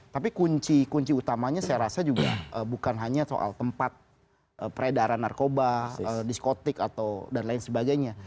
tapi kunci kunci utamanya saya rasa juga bukan hanya soal tempat peredaran narkoba diskotik atau dan lain sebagainya